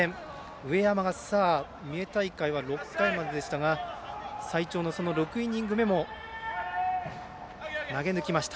上山が三重大会は６回まででしたが最長の６イニング目も投げ抜きました。